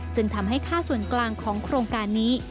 จึงทำให้ค่าส่วนกลางของโครงการนี้